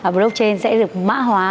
blockchain sẽ được mã hóa